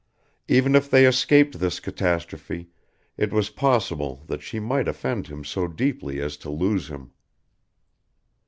Even if they escaped this catastrophe it was possible that she might offend him so deeply as to lose him.